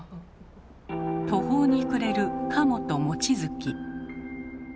途方に暮れる加茂と望月。